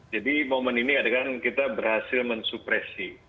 jadi momen ini adekan kita berhasil mensupresi